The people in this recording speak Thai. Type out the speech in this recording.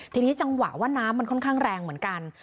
ทีนี้จังหวะว่าน้ำมันค่อนข้างแรงเหมือนกัน